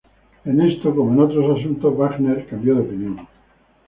En esto, como en otros asuntos, Wagner cambió de opinión.